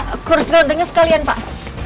aku harus denger sekalian pak